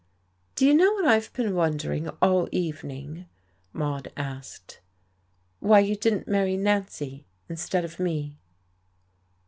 "Do you know what I've been wondering all evening?" Maude asked. "Why you didn't marry Nancy instead of me."